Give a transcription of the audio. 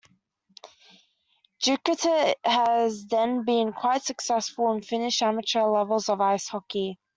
Jukurit has then been quite successful in Finnish amateur levels of ice hockey.